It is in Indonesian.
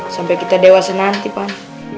sampai kita dewasa nanti pak